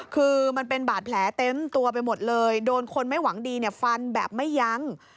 คือมันเป็นบาดแผลเต็มตัวไปหมดเลยโดนคนไม่หวังดีฟันแบบไม่ยั้ง